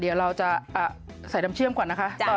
เดี๋ยวเราจะใส่ดำเชื่อมก่อนนะคะ